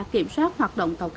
kiểm soát hoạt động tàu cá